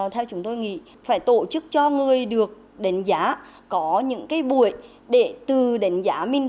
theo chúng tôi nghĩ phải tổ chức cho người được đánh giá có những cái buổi để từ đánh giá mình